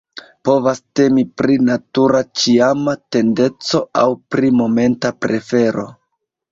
Povas temi pri natura, ĉiama tendenco aŭ pri momenta prefero.